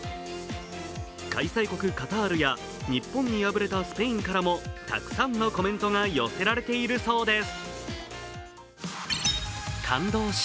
開催国カタールや日本に敗れたスペインからもたくさんのコメントが寄せられているそうです。